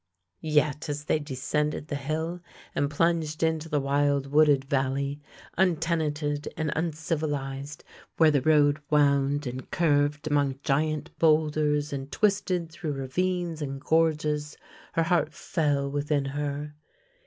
Yet, as they descended the hill and plunged into the wild wooded valley, untenanted and uncivilised, where the road wound and curved among giant boulders and twisted through ravines and gorges, her heart fell within her.